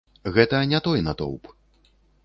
Гэта не той натоўп.